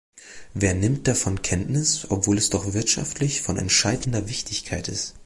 Wer nimmt davon Kenntnis, obwohl es doch wirtschaftlich von entscheidender Wichtigkeit ist?